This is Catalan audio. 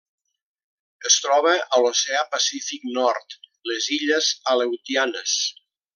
Es troba a l'Oceà Pacífic nord: les Illes Aleutianes.